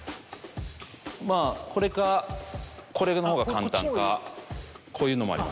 まぁこれかこれの方が簡単かこういうのもありますし。